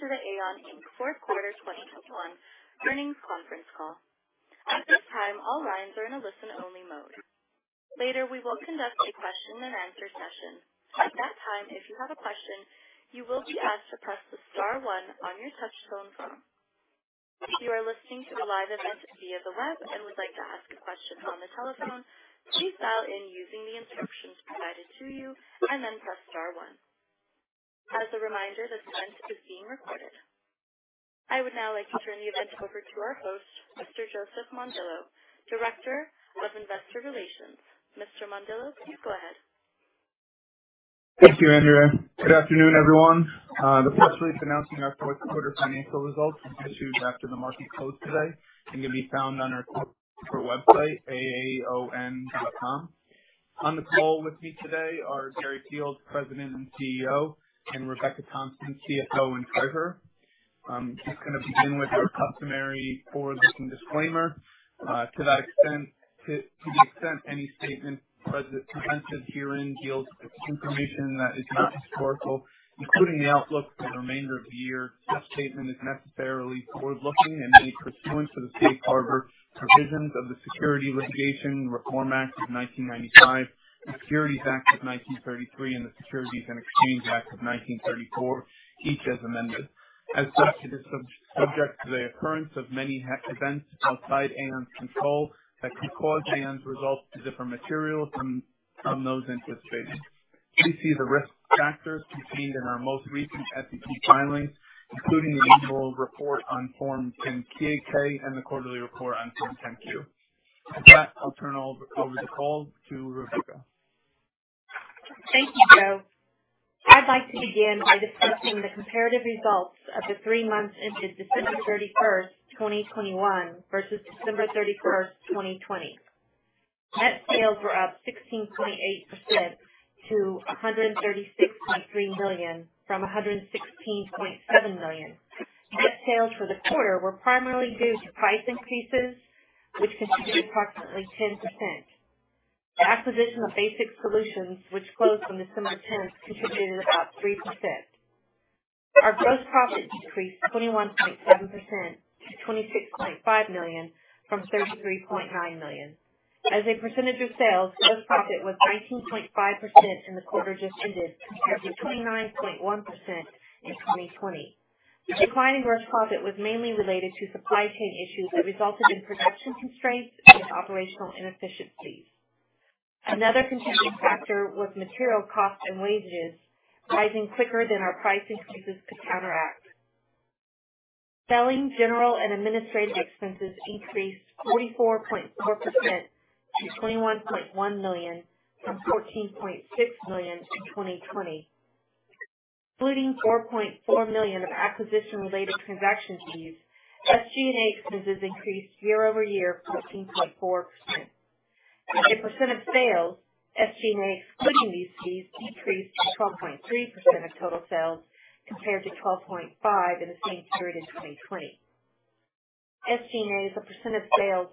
Hello, welcome to the AAON, Inc. fourth quarter 2021 earnings conference call. At this time, all lines are in a listen-only mode. Later, we will conduct a question-and-answer session. At that time, if you have a question, you will be asked to press star one on your touch-tone phone. If you are listening to the live event via the web and would like to ask a question on the telephone, please dial in using the instructions provided to you and then press star one. As a reminder, this event is being recorded. I would now like to turn the event over to our host, Mr. Joseph Mondillo, Director of Investor Relations. Mr. Mondillo, you go ahead. Thank you, Andrea. Good afternoon, everyone. The press release announcing our fourth quarter financial results was issued after the market closed today and can be found on our corporate website, aaon.com. On the call with me today are Gary Fields, President and CEO, and Rebecca Thompson, CFO and Treasurer. Just gonna begin with our customary forward-looking disclaimer. To the extent any statement presented herein deals with information that is not historical, including the outlook for the remainder of the year, such statement is necessarily forward-looking and made pursuant to the safe harbor provisions of the Securities Litigation Reform Act of 1995, the Securities Act of 1933, and the Securities Exchange Act of 1934, each as amended. As such, it is subject to the occurrence of many events outside AAON's control that could cause AAON's results to differ materially from those interest rates. Please see the risk factors contained in our most recent SEC filings, including the annual report on Form 10-K and the quarterly report on Form 10-Q. With that, I'll turn over the call to Rebecca. Thank you, Joe. I'd like to begin by discussing the comparative results of the three months ended December 31, 2021 versus December 31, 2020. Net sales were up 16.8% to $136.3 million from $116.7 million. Net sales for the quarter were primarily due to price increases, which contributed approximately 10%. The acquisition of BasX Solutions, which closed on December 10, contributed about 3%. Our gross profit decreased 21.7% to $26.5 million from $33.9 million. As a percentage of sales, gross profit was 19.5% in the quarter just ended, compared to 29.1% in 2020. The decline in gross profit was mainly related to supply chain issues that resulted in production constraints and operational inefficiencies. Another contributing factor was material cost and wages rising quicker than our price increases could counteract. Selling, general, and administrative expenses increased 44.4% to $21.1 million from $14.6 million in 2020. Including $4.4 million of acquisition-related transaction fees, SG&A expenses increased year-over-year 14.4%. As a percent of sales, SG&A excluding these fees decreased to 12.3% of total sales compared to 12.5% in the same period in 2020. SG&A as a percent of sales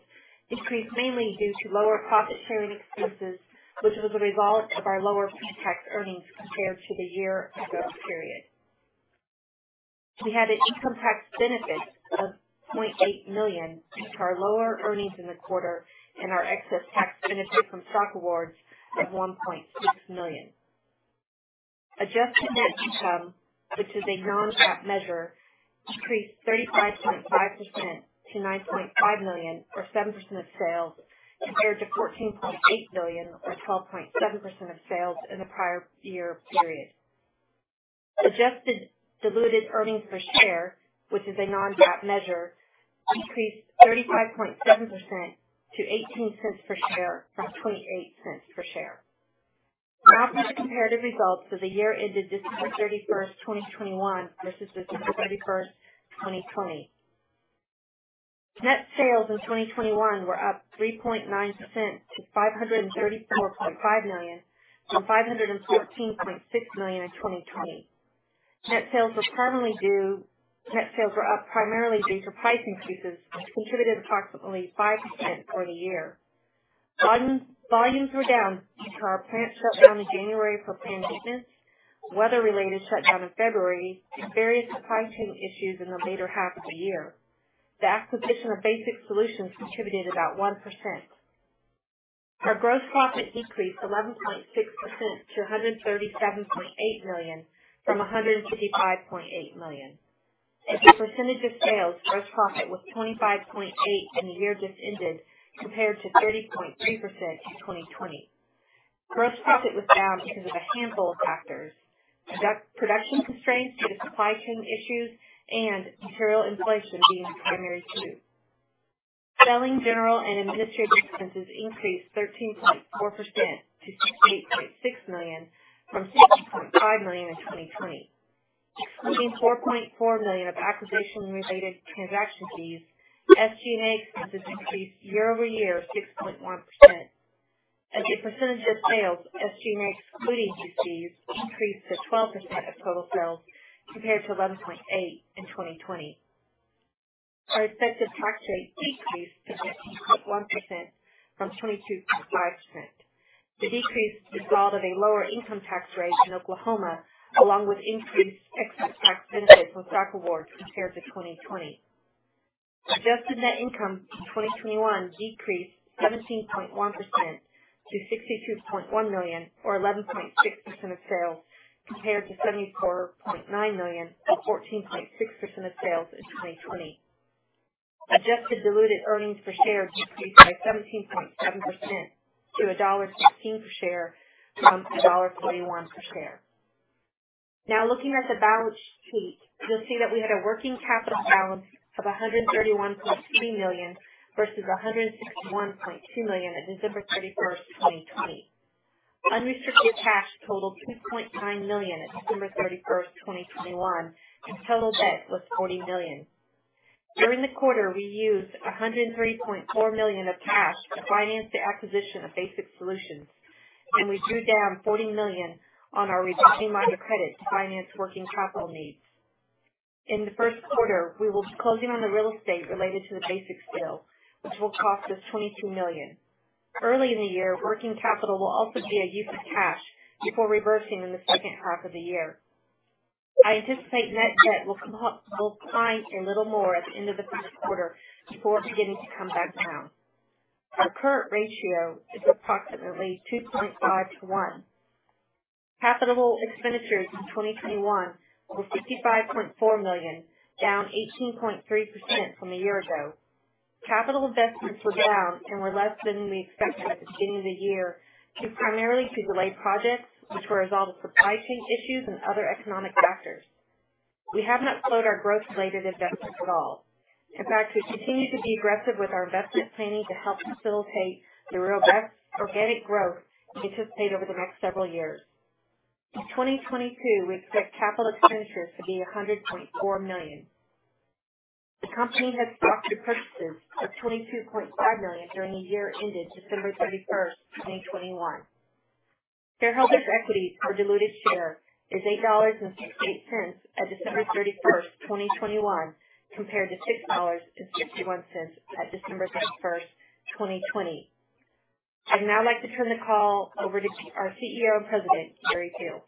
increased mainly due to lower profit sharing expenses, which was a result of our lower pretax earnings compared to the year ago period. We had an income tax benefit of $0.8 million due to our lower earnings in the quarter and our excess tax benefit from stock awards of $1.6 million. Adjusted net income, which is a non-GAAP measure, increased 35.5% to $9.5 million or 7% of sales, compared to $14.8 million or 12.7% of sales in the prior year period. Adjusted diluted earnings per share, which is a non-GAAP measure, increased 35.7% to $0.18 per share from $0.28 per share. Now to the comparative results for the year ended December 31, 2021 versus December 31, 2020. Net sales in 2021 were up 3.9% to $534.5 million from $514.6 million in 2020. Net sales were up primarily due to price increases, which contributed approximately 5% for the year. Volumes were down due to our plant shutdown in January for planned maintenance, weather-related shutdown in February, and various supply chain issues in the latter half of the year. The acquisition of BasX Solutions contributed about 1%. Our gross profit increased 11.6% to $137.8 million from $155.8 million. As a percentage of sales, gross profit was 25.8% in the year just ended compared to 30.3% in 2020. Gross profit was down because of a handful of factors, production constraints due to supply chain issues and material inflation being the primary two. Selling, general, and administrative expenses increased 13.4% to $68.6 million from $60.5 million in 2020. Including $4.4 million of acquisition-related transaction fees, SG&A expenses increased year-over-year 6.1%. As a percentage of sales, SG&A excluding these fees increased to 12% of total sales compared to 11.8% in 2020. Our effective tax rate decreased to 19.1% from 22.5%. The decrease is the result of a lower income tax rate in Oklahoma, along with increased excess tax benefits on stock awards compared to 2020. Adjusted net income in 2021 decreased 17.1% to $62.1 million, or 11.6% of sales, compared to $74.9 million, or 14.6% of sales in 2020. Adjusted diluted earnings per share decreased by 17.7% to $1.16 per share from $1.21 per share. Now looking at the balance sheet, you'll see that we had a working capital balance of $131.3 million versus $161.2 million at December 31, 2020. Unrestricted cash totaled $2.9 million at December 31, 2021, and total debt was $40 million. During the quarter, we used $103.4 million of cash to finance the acquisition of BasX Solutions, and we drew down $40 million on our revolving line of credit to finance working capital needs. In the first quarter, we will be closing on the real estate related to the BasX sale, which will cost us $22 million. Early in the year, working capital will also be a use of cash before reversing in the second half of the year. I anticipate net debt will climb a little more at the end of the first quarter before beginning to come back down. Our current ratio is approximately 2.5 to 1. Capital expenditures in 2021 were $65.4 million, down 18.3% from a year ago. Capital investments were down and were less than we expected at the beginning of the year, due primarily to delayed projects, which were a result of supply chain issues and other economic factors. We have not slowed our growth-related investments at all. In fact, we've continued to be aggressive with our investment planning to help facilitate the robust organic growth we anticipate over the next several years. In 2022, we expect capital expenditures to be $100.4 million. The company has stock repurchases of $22.5 million during the year ended December 31, 2021. Shareholder equity per diluted share is $8.68 at December 31, 2021, compared to $6.61 at December 31, 2020. I'd now like to turn the call over to our CEO and President, Gary Fields.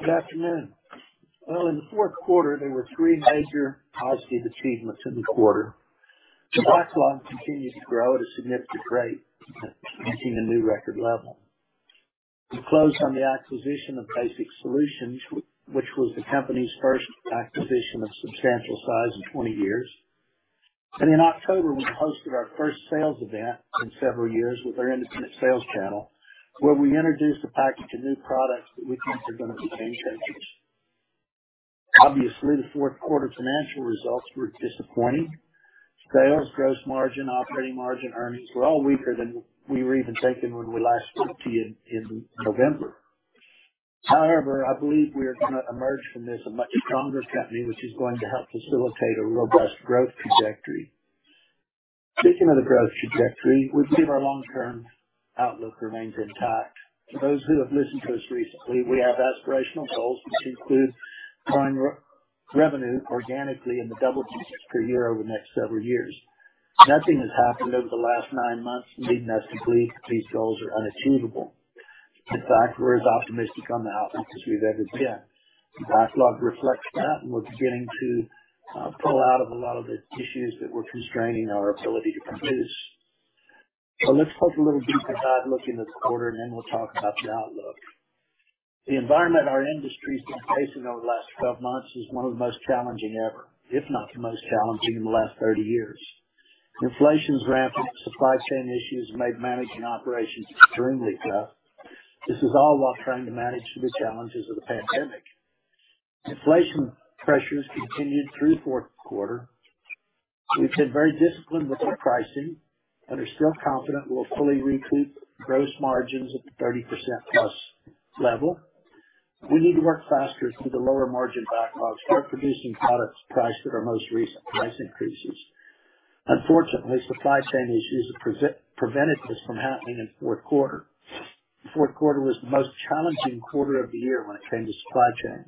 Good afternoon. Well, in the fourth quarter, there were three major positive achievements in the quarter. The backlog continues to grow at a significant rate, reaching a new record level. We closed on the acquisition of BasX Solutions, which was the company's first acquisition of substantial size in 20 years. In October, we hosted our first sales event in several years with our independent sales channel, where we introduced a package of new products that we think are gonna be game changers. Obviously, the fourth quarter financial results were disappointing. Sales, gross margin, operating margin, earnings were all weaker than we were even thinking when we last spoke to you in November. However, I believe we are gonna emerge from this a much stronger company, which is going to help facilitate a robust growth trajectory. Speaking of the growth trajectory, we believe our long-term outlook remains intact. For those who have listened to us recently, we have aspirational goals, which include growing revenue organically in the double digits per year over the next several years. Nothing has happened over the last 9 months leading us to believe these goals are unachievable. In fact, we're as optimistic on the outlook as we've ever been. The backlog reflects that, and we're beginning to pull out of a lot of the issues that were constraining our ability to produce. Let's take a little deeper dive look in this quarter, and then we'll talk about the outlook. The environment our industry's been facing over the last 12 months is one of the most challenging ever, if not the most challenging in the last 30 years. Inflation's rampant. Supply chain issues have made managing operations extremely tough. This is all while trying to manage through the challenges of the pandemic. Inflation pressures continued through the fourth quarter. We've been very disciplined with our pricing and are still confident we'll fully recoup gross margins at the 30%+ level. We need to work faster through the lower margin backlogs for producing products priced at our most recent price increases. Unfortunately, supply chain issues have prevented this from happening in fourth quarter. Fourth quarter was the most challenging quarter of the year when it came to supply chain.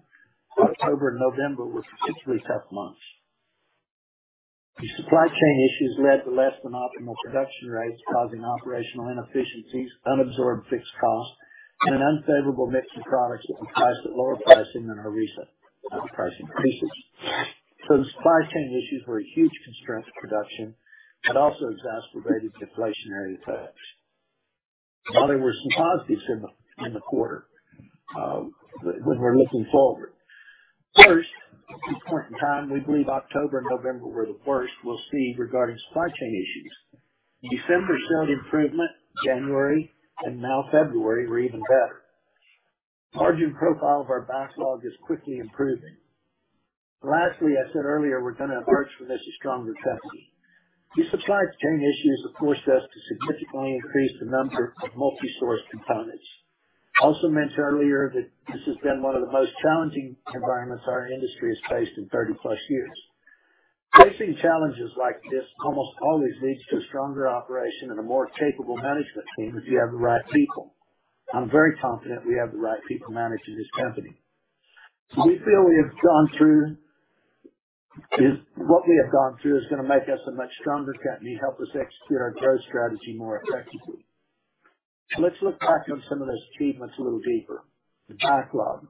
October and November were particularly tough months. The supply chain issues led to less than optimal production rates, causing operational inefficiencies, unabsorbed fixed costs, and an unfavorable mix of products that were priced at lower pricing than our recent price increases. The supply chain issues were a huge constraint to production, but also exacerbated the inflationary effects. While there were some positives in the quarter when we're looking forward. First, at this point in time, we believe October and November were the worst we'll see regarding supply chain issues. December showed improvement, January and now February were even better. Margin profile of our backlog is quickly improving. Lastly, I said earlier, we're gonna emerge from this a stronger company. These supply chain issues have forced us to significantly increase the number of multi-source components. I also mentioned earlier that this has been one of the most challenging environments our industry has faced in 30-plus years. Facing challenges like this almost always leads to a stronger operation and a more capable management team if you have the right people. I'm very confident we have the right people managing this company. We feel what we have gone through is gonna make us a much stronger company, help us execute our growth strategy more effectively. Let's look back on some of those achievements a little deeper. The backlog.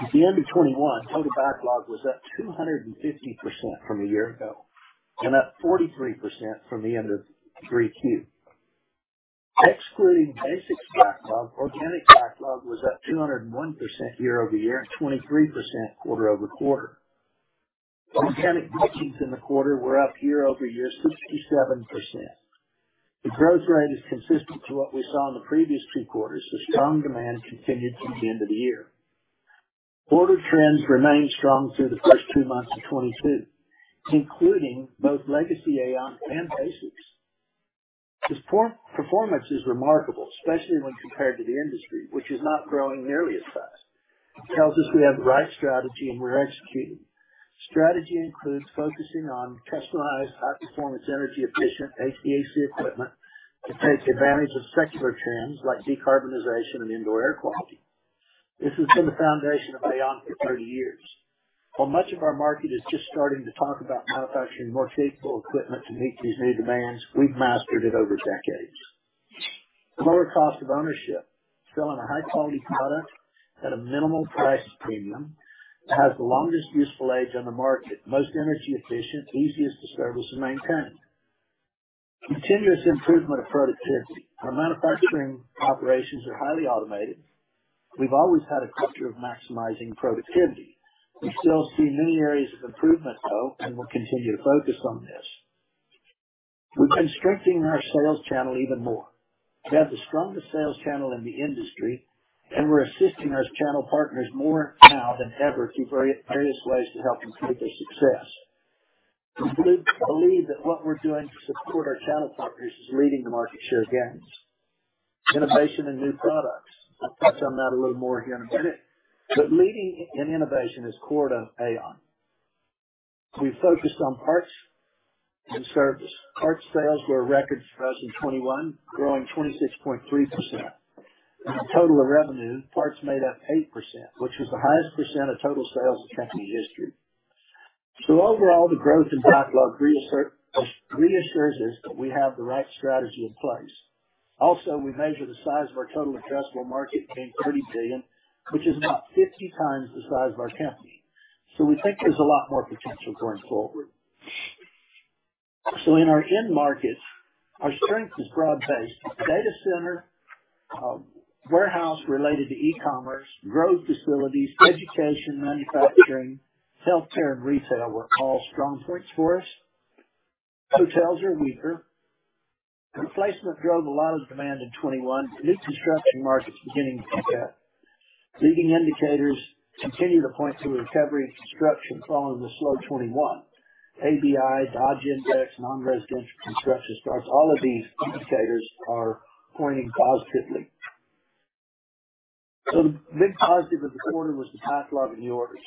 At the end of 2021, total backlog was up 250% from a year ago and up 43% from the end of Q3. Excluding BasX backlog, organic backlog was up 201% year-over-year and 23% quarter-over-quarter. Organic bookings in the quarter were up year-over-year 67%. The growth rate is consistent to what we saw in the previous two quarters. The strong demand continued through the end of the year. Order trends remained strong through the first two months of 2022, including both legacy AAON and BasX. This performance is remarkable, especially when compared to the industry, which is not growing nearly as fast. It tells us we have the right strategy and we're executing. Strategy includes focusing on customized, high-performance, energy-efficient HVAC equipment that takes advantage of secular trends like decarbonization and indoor air quality. This has been the foundation of AAON for 30 years. While much of our market is just starting to talk about manufacturing more capable equipment to meet these new demands, we've mastered it over decades. Lower cost of ownership, selling a high-quality product at a minimal price premium that has the longest useful age on the market, most energy efficient, easiest to service and maintain. Continuous improvement of productivity. Our manufacturing operations are highly automated. We've always had a culture of maximizing productivity. We still see many areas of improvement, though, and we'll continue to focus on this. We're strengthening our sales channel even more. We have the strongest sales channel in the industry, and we're assisting our channel partners more now than ever through various ways to help them create their success. We believe that what we're doing to support our channel partners is leading to market share gains. Innovation and new products. I'll touch on that a little more here in a minute. Leading in innovation is core to AAON. We've focused on parts and service. Parts sales were a record for us in 2021, growing 26.3%. In the total of revenue, parts made up 8%, which is the highest % of total sales in company history. Overall, the growth in backlog reassures us that we have the right strategy in place. Also, we measure the size of our total addressable market being 30 billion, which is about 50 times the size of our company. We think there's a lot more potential going forward. In our end markets, our strength is broad-based. Data center, warehouse related to e-commerce, growth facilities, education, manufacturing, healthcare and retail were all strong points for us. Hotels are weaker. Replacement drove a lot of demand in 2021. New construction markets beginning to pick up. Leading indicators continue to point to a recovery in construction following the slow 2021. ABI, Dodge Index, non-residential construction starts, all of these indicators are pointing positively. The big positive of the quarter was the backlog and the orders.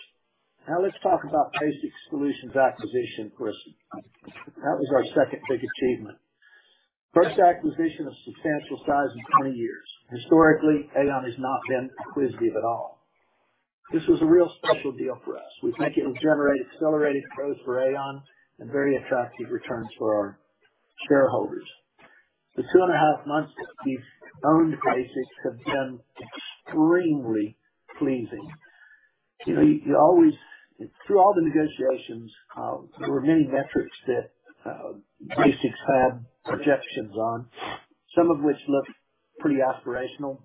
Now let's talk about BasX Solutions acquisition for a second. That was our second big achievement. First acquisition of substantial size in 20 years. Historically, AAON has not been acquisitive at all. This was a real special deal for us. We think it will generate accelerated growth for AAON and very attractive returns for our shareholders. The two and a half months that we've owned BasX have been extremely pleasing. You know, you always through all the negotiations, there were many metrics that, BasX had projections on, some of which looked pretty aspirational.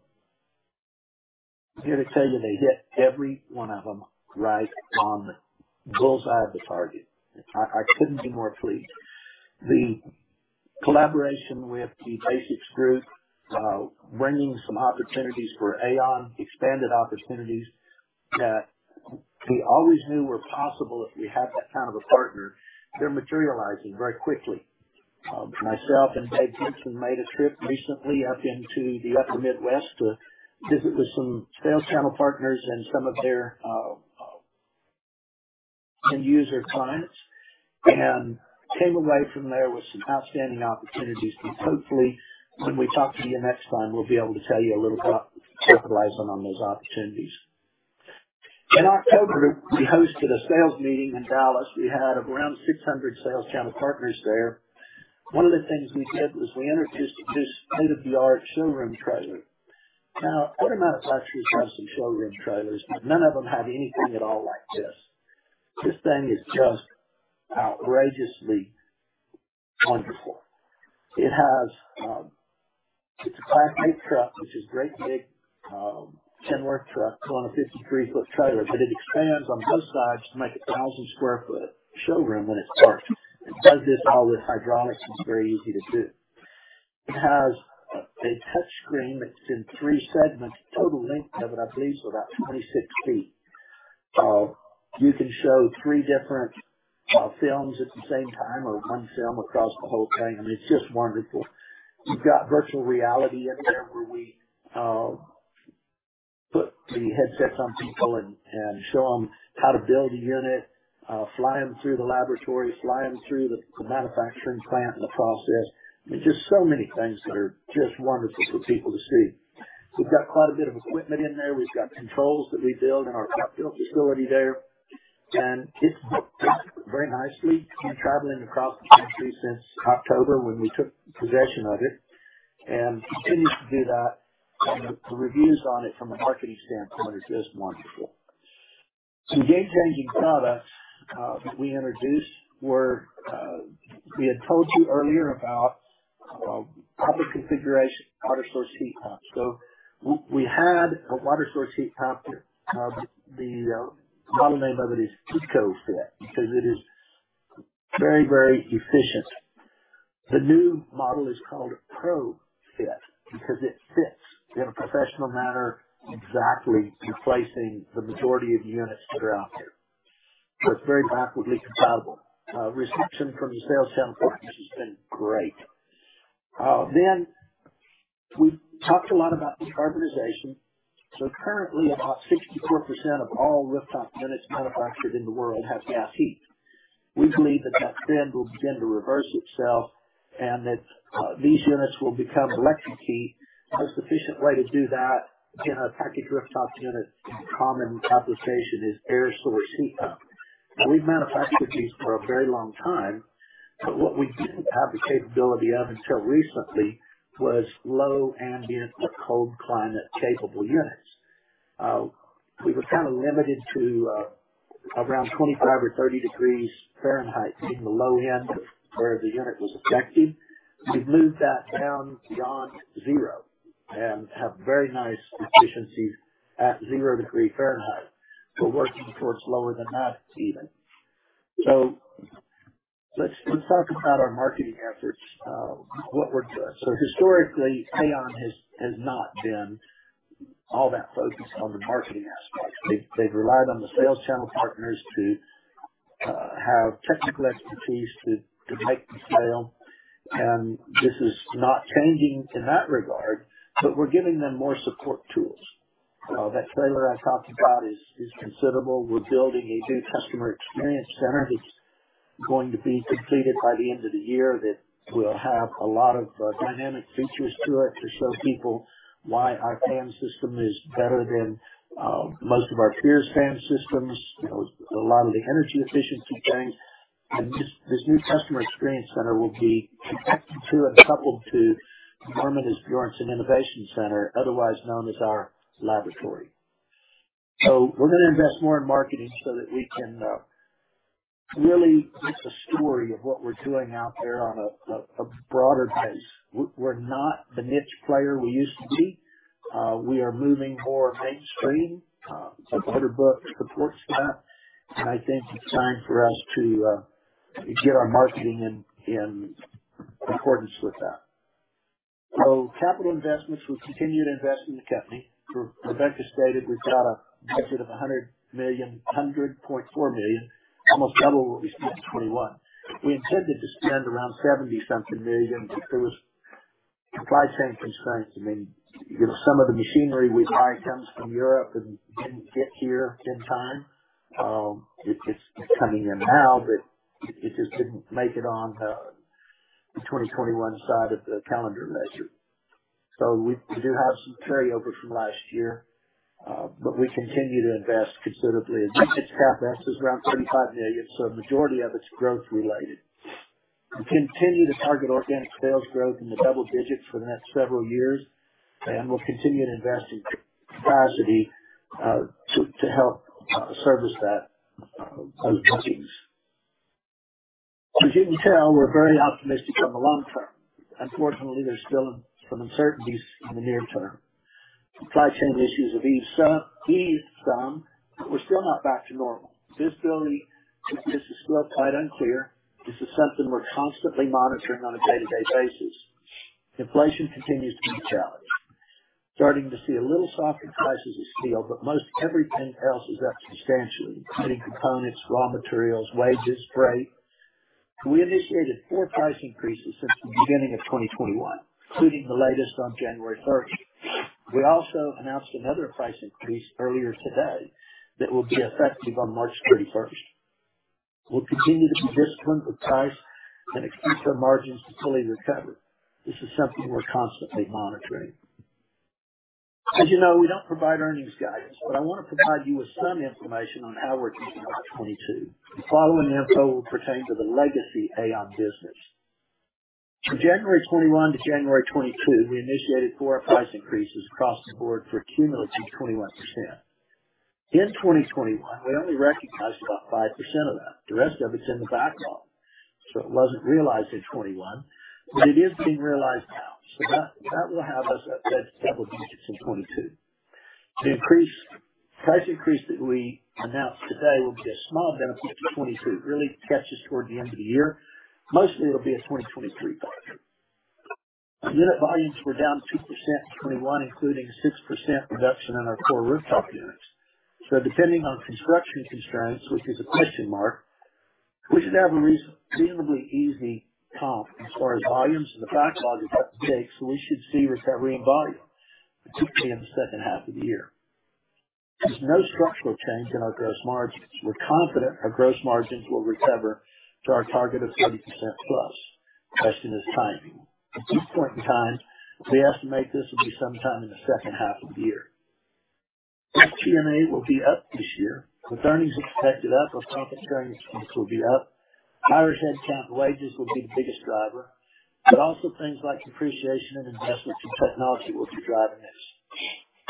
I'm here to tell you they hit every one of them right on the bullseye of the target. I couldn't be more pleased. The collaboration with the BasX group, bringing some opportunities for AAON, expanded opportunities that we always knew were possible if we had that kind of a partner, they're materializing very quickly. Myself and Dave Benson made a trip recently up into the upper Midwest to visit with some sales channel partners and some of their end user clients, and came away from there with some outstanding opportunities that hopefully when we talk to you next time, we'll be able to tell you a little about capitalizing on those opportunities. In October, we hosted a sales meeting in Dallas. We had around 600 sales channel partners there. One of the things we did was we introduced this state-of-the-art showroom trailer. Now, other manufacturers have some showroom trailers, but none of them have anything at all like this. This thing is just outrageously wonderful. It's a Class 8 truck, which is great big Kenworth truck pulling a 53-foot trailer, but it expands on both sides to make a 1,000 sq ft showroom when it's parked. It does this all with hydraulics, and it's very easy to do. It has a touch screen that's in three segments. Total length of it, I believe, is about 26 feet. You can show three different films at the same time or one film across the whole thing. I mean, it's just wonderful. You've got virtual reality in there where we put headsets on people and show them how to build a unit, fly them through the laboratory, fly them through the manufacturing plant and the process. There's just so many things that are just wonderful for people to see. We've got quite a bit of equipment in there. We've got controls that we build in our Fairfield facility there, and it's worked very nicely. It's been traveling across the country since October when we took possession of it, and continues to do that. The reviews on it from a marketing standpoint are just wonderful. Some game-changing products that we introduced, we had told you earlier about vertical configuration water-source heat pumps. We had a water-source heat pump. The model name of it is F1 because it is very, very efficient. The new model is called ProFit because it fits in a professional manner, exactly replacing the majority of units that are out there. It's very backwardly compatible. Reception from the sales channel partners has been great. We've talked a lot about decarbonization. Currently, about 64% of all rooftop units manufactured in the world have gas heat. We believe that trend will begin to reverse itself and that these units will become electric heat. A sufficient way to do that in a package rooftop unit, common application is air source heat pump. Now, we've manufactured these for a very long time, but what we didn't have the capability of until recently was low ambient or cold climate capable units. We were kinda limited to around 25 or 30 degrees Fahrenheit in the low end of where the unit was effective. We've moved that down beyond zero and have very nice efficiency at 0 degree Fahrenheit. We're working towards lower than that even. Let's talk about our marketing efforts, what we're doing. Historically, AAON has not been all that focused on the marketing aspects. They've relied on the sales channel partners to have technical expertise to make the sale. This is not changing in that regard, but we're giving them more support tools. That trailer I talked about is considerable. We're building a new customer experience center that's going to be completed by the end of the year that will have a lot of dynamic features to it to show people why our fan system is better than most of our peers' fan systems. You know, a lot of the energy efficiency gains. This new customer experience center will be connected to and coupled to Norman Asbjornson Innovation Center, otherwise known as our laboratory. We're gonna invest more in marketing so that we can really tell the story of what we're doing out there on a broader base. We're not the niche player we used to be. We are moving more mainstream. Order book supports that, and I think it's time for us to get our marketing in accordance with that. Capital investments, we've continued to invest in the company. Rebecca stated we've got a budget of $100 million, $100.4 million, almost double what we spent in 2021. We intended to spend around 70-something million, but there was supply chain constraints. I mean, you know, some of the machinery we buy comes from Europe and didn't get here in time. It's coming in now, but it just didn't make it on the 2021 side of the calendar measure. We do have some carryover from last year, but we continue to invest considerably. Maintenance CapEx is around $25 million, so a majority of it's growth related. Continue to target organic sales growth in the double digits for the next several years, and we'll continue to invest in capacity to help service those bookings. As you can tell, we're very optimistic on the long term. Unfortunately, there's still some uncertainties in the near term. Supply chain issues have eased some, but we're still not back to normal. Visibility is still quite unclear. This is something we're constantly monitoring on a day-to-day basis. Inflation continues to be a challenge. Starting to see a little softer prices of steel, but most every input cost is up substantially, including components, raw materials, wages, freight. We initiated four price increases since the beginning of 2021, including the latest on January 30. We also announced another price increase earlier today that will be effective on March 31. We'll continue to be disciplined with price and expect our margins to fully recover. This is something we're constantly monitoring. As you know, we don't provide earnings guidance, but I wanna provide you with some information on how we're thinking about 2022. The following info will pertain to the legacy AAON business. From January 2021 to January 2022, we initiated 4 price increases across the board for a cumulative 21%. In 2021, we only recognized about 5% of that. The rest of it's in the backlog, so it wasn't realized in 2021, but it is being realized now. That will have us up double digits in 2022. The price increase that we announced today will be a small benefit to 2022. It really catches toward the end of the year. Mostly, it'll be a 2023 benefit. Unit volumes were down 2% in 2021, including 6% reduction in our core rooftop units. Depending on construction constraints, which is a question mark. We should have a reasonably easy comp as far as volumes and the backlog is up to date, so we should see recovering volume, particularly in the second half of the year. There's no structural change in our gross margins. We're confident our gross margins will recover to our target of 30%+. Question is timing. At this point in time, we estimate this will be sometime in the second half of the year. SG&A will be up this year. With earnings expected up, our compensation expense will be up. Higher headcount wages will be the biggest driver, but also things like depreciation and investments in technology will be driving this.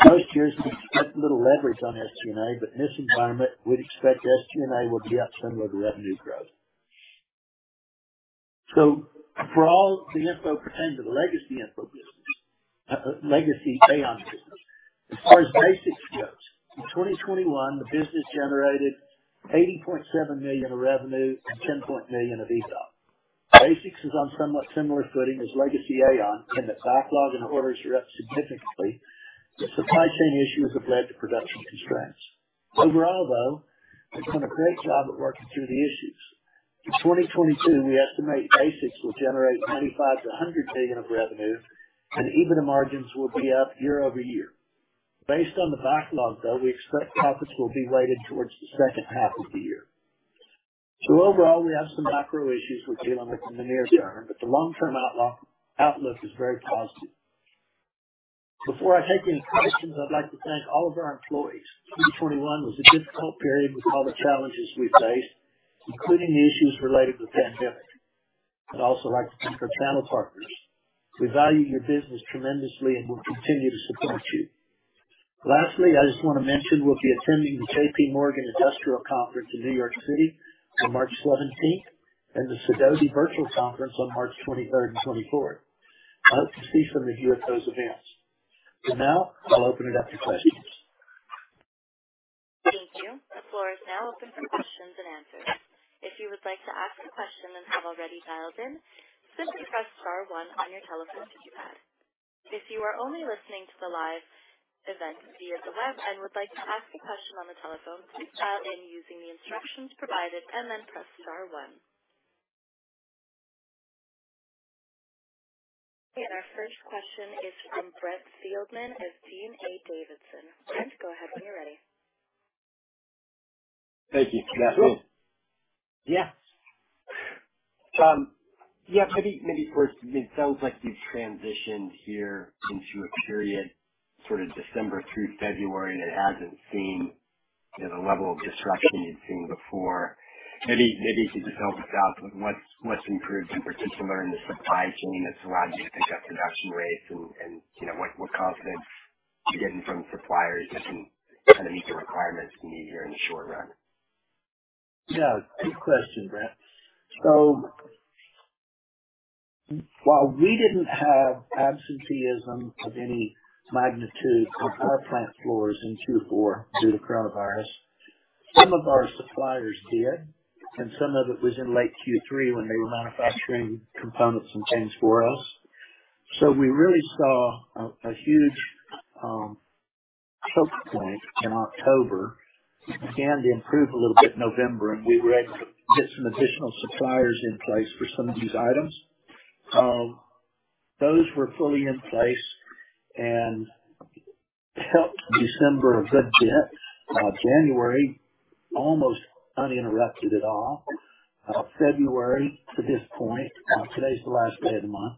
Most years, we expect a little leverage on SG&A, but in this environment, we'd expect SG&A will be up similar to revenue growth. For all the info pertaining to the legacy AAON business, as far as BasX goes, in 2021, the business generated $80.7 million of revenue and $10 million of EBITDA. BasX is on somewhat similar footing as legacy AAON in that backlog and orders are up significantly, but supply chain issues have led to production constraints. Overall, though, they've done a great job at working through the issues. In 2022, we estimate BasX will generate $95 million-$100 million of revenue and EBITDA margins will be up year-over-year. Based on the backlog, though, we expect profits will be weighted towards the second half of the year. Overall, we have some macro issues we're dealing with in the near term, but the long-term outlook is very positive. Before I take any questions, I'd like to thank all of our employees. 2021 was a difficult period with all the challenges we faced, including the issues related to the pandemic. I'd also like to thank our channel partners. We value your business tremendously and will continue to support you. Lastly, I just wanna mention we'll be attending the J.P. Morgan Industrials Conference in New York City on March seventeenth and the Sidoti Virtual Small Cap Conference on March twenty-third and twenty-fourth. I hope to see some of you at those events. For now, I'll open it up to questions. Thank you. The floor is now open for questions and answers. If you would like to ask a question and have already dialed in, simply press star one on your telephone keypad. If you are only listening to the live event via the web and would like to ask a question on the telephone, please dial in using the instructions provided and then press star one. Our first question is from Brent Thielman of D.A. Davidson. Brent, go ahead when you're ready. Thank you. Can you hear me? Yes. Yeah, maybe first, it sounds like we've transitioned here into a period, sort of December through February, that hasn't seen, you know, the level of disruption we've seen before. Maybe you could just help us out with what's improved in particular in the supply chain that's allowed you to pick up production rates and, you know, what confidence you're getting from suppliers that can kinda meet the requirements you need here in the short run? Yeah. Good question, Brent. While we didn't have absenteeism of any magnitude on our plant floors in Q4 due to coronavirus, some of our suppliers did, and some of it was in late Q3 when they were manufacturing components and things for us. We really saw a huge choke point in October. It began to improve a little bit in November, and we were able to get some additional suppliers in place for some of these items. Those were fully in place and helped December a good bit. January almost uninterrupted at all. February to this point, today's the last day of the month,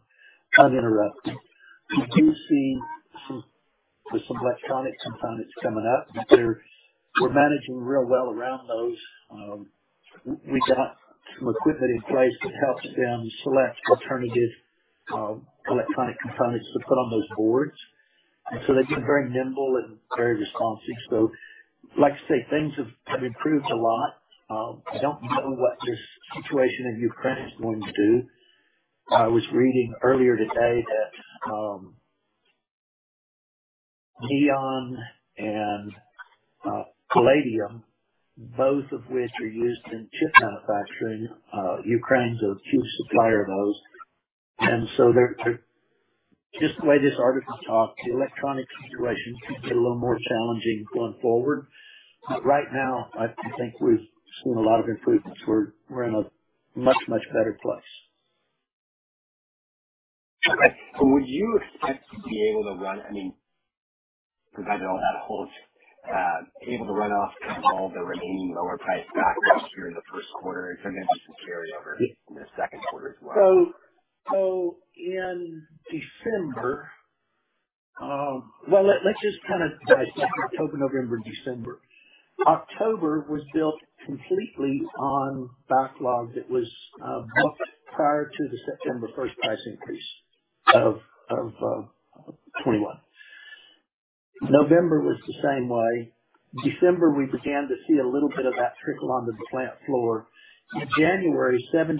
uninterrupted. We do see some with some electronic components coming up, but we're managing real well around those. We got some equipment in place that helps them select alternative electronic components to put on those boards. They've been very nimble and very responsive. Like I say, things have improved a lot. I don't know what this situation in Ukraine is going to do. I was reading earlier today that neon and palladium, both of which are used in chip manufacturing, Ukraine's a huge supplier of those. They're just the way this article talked, the electronic situation could get a little more challenging going forward. Right now, I think we've seen a lot of improvements. We're in a much better place. Okay. Would you expect to be able to run, I mean, provided all that holds, able to run off all the remaining lower priced backlogs here in the first quarter and for them just to carry over in the second quarter as well? In December, well, let's just kinda dissect October, November, December. October was built completely on backlog that was booked prior to the September first price increase of 21. November was the same way. December, we began to see a little bit of that trickle on the plant floor. In January, 76%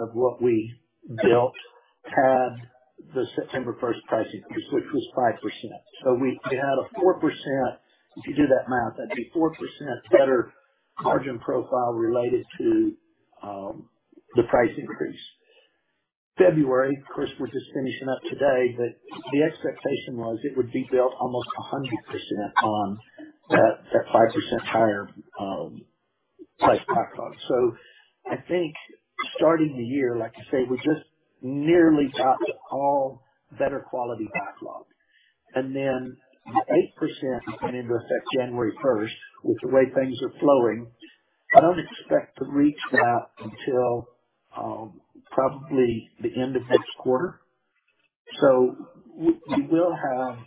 of what we built had the September first price increase, which was 5%. We had a 4%, if you do that math, that'd be 4% better margin profile related to the price increase. February, of course, we're just finishing up today, but the expectation was it would be built almost 100% on that 5% higher price backlog. I think starting the year, like I say, we just nearly got all better quality backlog. The 8% went into effect January 1. With the way things are flowing, I don't expect to reach that until probably the end of next quarter. We will have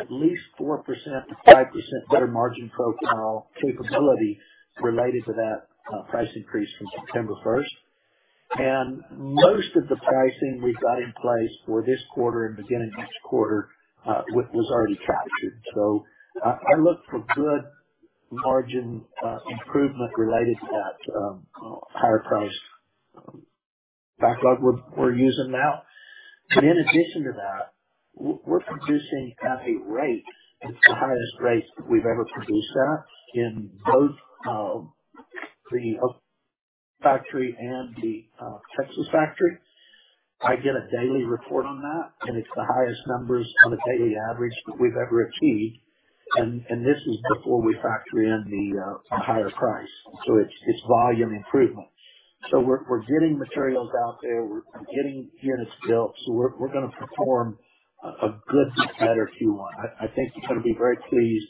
at least 4%-5% better margin profile capability related to that price increase from September 1. Most of the pricing we've got in place for this quarter and beginning next quarter was already captured. I look for good margin improvement related to that higher priced backlog we're using now. In addition to that, we're producing at a rate that's the highest rate that we've ever produced at in both the Oklahoma factory and the Texas factory. I get a daily report on that, and it's the highest numbers on a daily average that we've ever achieved. This is before we factor in the higher price. It's volume improvement. We're getting materials out there. We're getting units built, so we're gonna perform a good to better Q1. I think you're gonna be very pleased.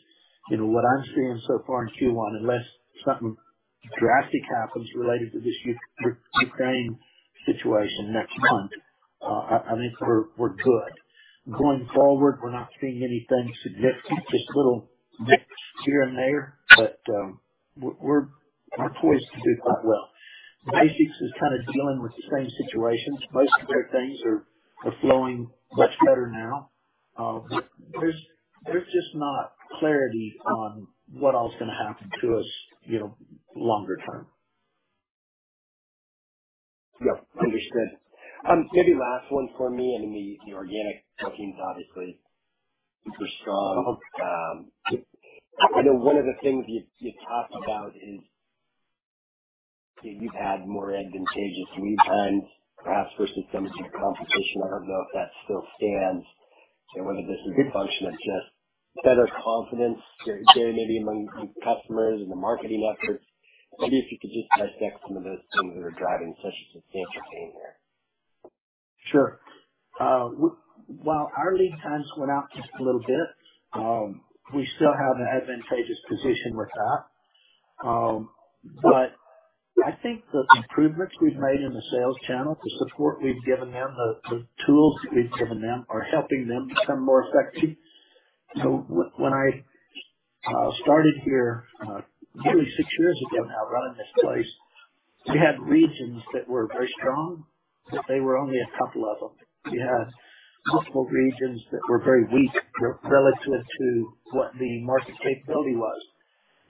You know what I'm seeing so far in Q1, unless something drastic happens related to this Ukraine situation next month. I think we're good. Going forward, we're not seeing anything significant, just little nips here and there, but we're poised to do quite well. BasX is kinda dealing with the same situations. Most of their things are flowing much better now. But there's just not clarity on what else is gonna happen to us, you know, longer term. Yeah. Understood. Maybe last one for me. I mean, the organic booking is obviously super strong. I know one of the things you talked about is that you've had more advantageous lead times, perhaps versus some of your competition. I don't know if that still stands, and whether there's a good function of just better confidence there, maybe among customers and the marketing efforts. Maybe if you could just dissect some of those things that are driving such a substantial gain there. Sure. While our lead times went out just a little bit, we still have an advantageous position with that. I think the improvements we've made in the sales channel, the support we've given them, the tools we've given them are helping them become more effective. When I started here nearly six years ago now running this place, we had regions that were very strong, but they were only a couple of them. We had multiple regions that were very weak relative to what the market capability was.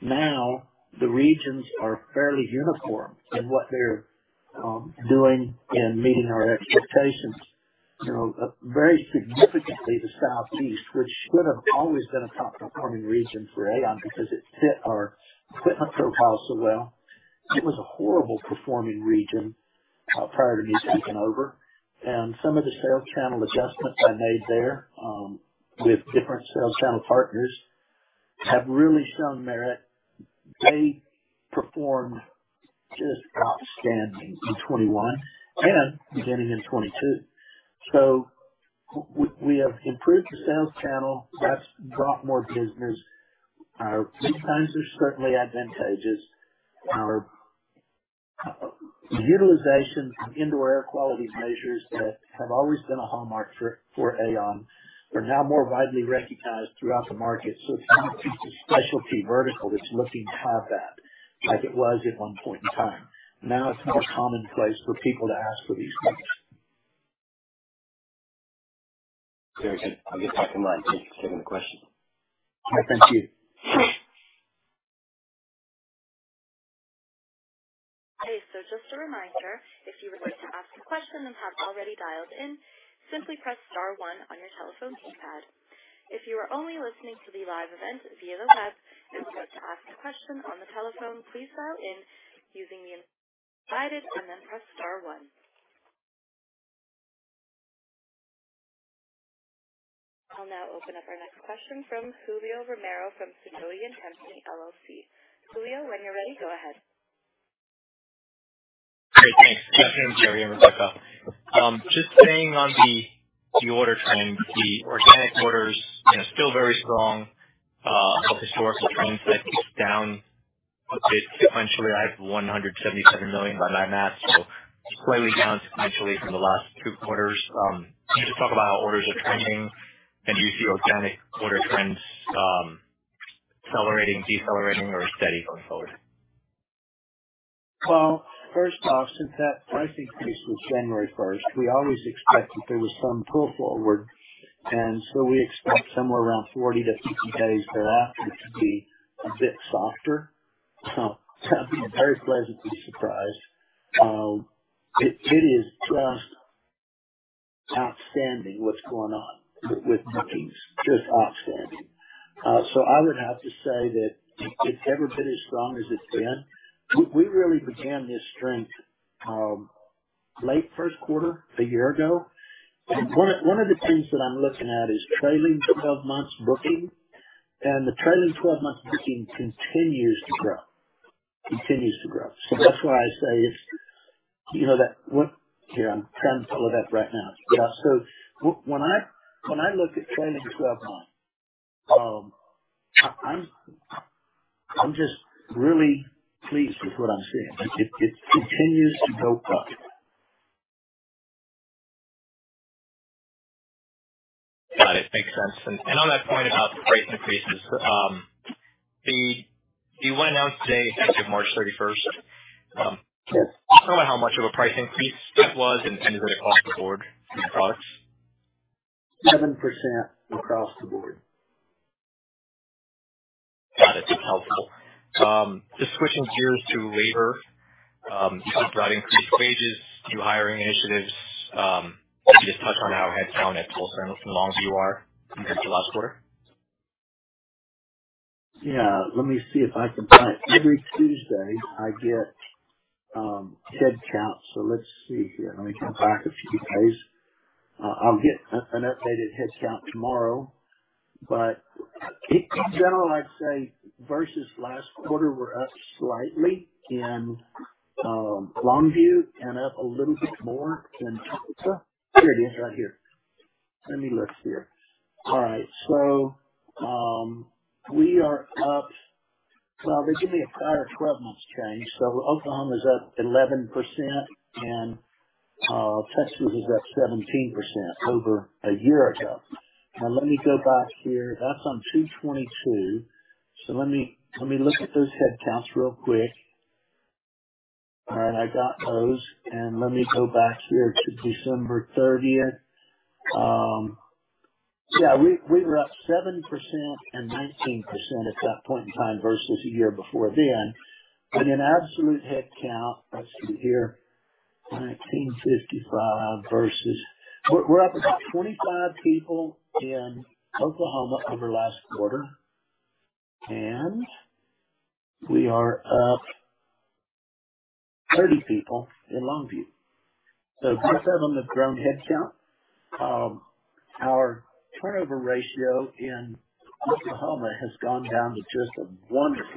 Now, the regions are fairly uniform in what they're doing in meeting our expectations. You know, very significantly, the Southeast, which should have always been a top performing region for AAON because it fit our equipment profile so well. It was a horrible performing region prior to me taking over and some of the sales channel adjustments I made there with different sales channel partners have really shown merit. They performed just outstanding in 2021 and beginning in 2022. We have improved the sales channel. That's brought more business. Our lead times are certainly advantageous. Our utilization of indoor air quality measures that have always been a hallmark for AAON are now more widely recognized throughout the market. It's not a piece of specialty vertical that's looking to have that like it was at one point in time. Now it's more commonplace for people to ask for these things. Very good. I'll get back in line. Thank you for taking the question. All right. Thank you. Okay, just a reminder, if you would like to ask a question and have already dialed in, simply press star one on your telephone keypad. If you are only listening to the live event via the web and would like to ask a question on the telephone, please dial in using the provided and then press star one. I'll now open up our next question from Julio Romero from Sidoti & Company, LLC. Julio, when you're ready, go ahead. Great. Thanks. Good afternoon, Gary and Rebecca. Just staying on the order trend, the organic orders, you know, still very strong, historically down a bit sequentially, I have $177 million by my math, so slightly down sequentially from the last two quarters. Can you just talk about how orders are trending? Do you see organic order trends accelerating, decelerating or steady going forward? Well, first off, since that price increase was January first, we always expect that there was some pull forward, and so we expect somewhere around 40-50 days thereafter to be a bit softer. Very pleasantly surprised. It is just outstanding what's going on with bookings. Just outstanding. I would have to say that it's never been as strong as it's been. We really began this strength late first quarter a year ago. One of the things that I'm looking at is trailing twelve months booking. The trailing twelve months booking continues to grow. That's why I say it's, you know, that one. Here, I'm trying to pull it up right now. Yeah, when I look at trailing twelve months, I'm just really pleased with what I'm seeing. It continues to go up. Got it. Makes sense. On that point about the price increases, the one announced today effective March 31, Yes. I don't know how much of a price increase that was, and is it across the board in products? 7% across the board. Got it. That's helpful. Just switching gears to labor, you talked about increased wages, new hiring initiatives. Can you just touch on how headcount at Tulsa and Longview are compared to last quarter? Let me see if I can find it. Every Tuesday I get headcount. Let's see here. Let me go back a few days. I'll get an updated headcount tomorrow, but in general, I'd say versus last quarter we're up slightly in Longview and up a little bit more in Tulsa. Here it is right here. Let me look here. All right. We are up. Well, they give me a prior 12 months change, so Oklahoma's up 11% and Texas is up 17% over a year ago. Now let me go back here. That's on 2/22. Let me look at those headcounts real quick. All right, I got those. Let me go back here to December 30. Yeah, we were up 7% and 19% at that point in time versus a year before then. In absolute headcount, let's see here, 1,955 versus. We're up about 25 people in Oklahoma over last quarter. We are up 30 people in Longview. Both of them have grown headcount. Our turnover ratio in Oklahoma has gone down to just a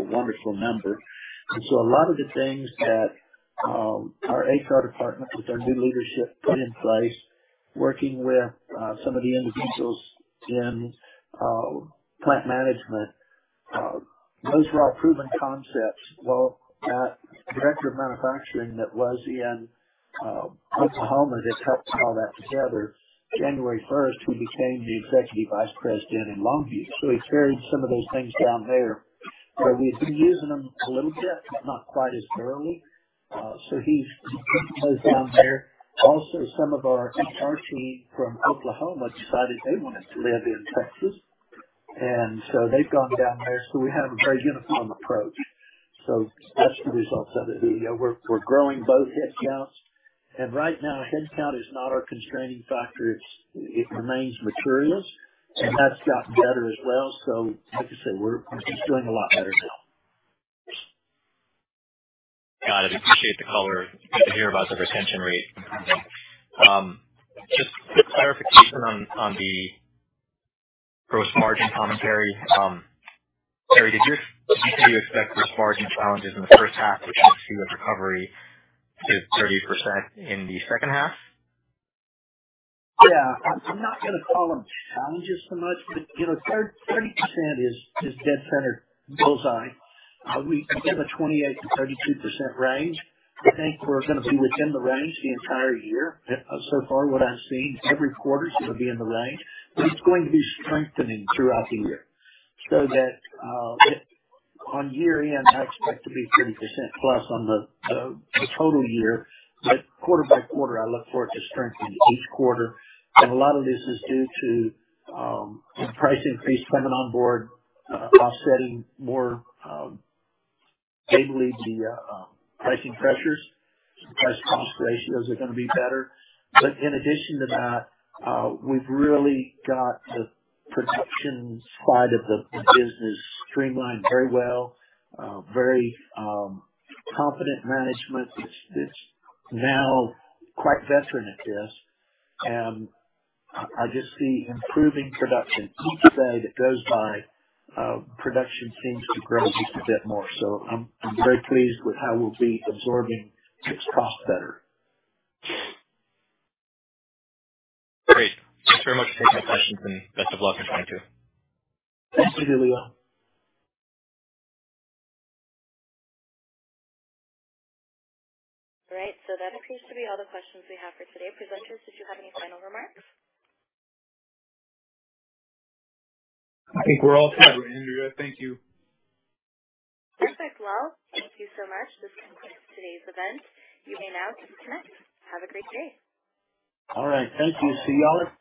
wonderful number. A lot of the things that our HR department with their new leadership put in place, working with some of the individuals in plant management, those are all proven concepts. Well, the Director of Manufacturing that was in Oklahoma just helped put all that together. January first, he became the Executive Vice President in Longview, so he's carried some of those things down there. We've been using them a little bit, but not quite as thoroughly. He's taken those down there. Some of our HR team from Oklahoma decided they wanted to live in Texas, and so they've gone down there. We have a very uniform approach. That's the results of it. We're growing both headcounts. Right now, headcount is not our constraining factor. It remains materials. That's gotten better as well. Like I said, it's doing a lot better now. Got it. Appreciate the color. Good to hear about the retention rate. Just quick clarification on the gross margin commentary. Gary, did you say you expect gross margin challenges in the first half, but you'll see a recovery to 30% in the second half? Yeah. I'm not gonna call them challenges so much, but you know, 30% is dead center, bullseye. We give a 28%-32% range. I think we're gonna be within the range the entire year. So far what I'm seeing every quarter is gonna be in the range, but it's going to be strengthening throughout the year. That on year-end, I expect to be 30%+ on the total year. Quarter by quarter I look for it to strengthen each quarter. A lot of this is due to price increase coming on board, offsetting more stably the pricing pressures. Price cost ratios are gonna be better. In addition to that, we've really got the production side of the business streamlined very well. Very confident management that's now quite veteran at this. I just see improving production. Each day that goes by, production seems to grow just a bit more. I'm very pleased with how we'll be absorbing its cost better. Great. Thanks very much for taking my questions, and best of luck with 2022. Thanks to you, Julio. All right. That appears to be all the questions we have for today. Presenters, did you have any final remarks? I think we're all set, Andrea. Thank you. Perfect. Well, thank you so much. This concludes today's event. You may now disconnect. Have a great day. All right. Thank you. See you all at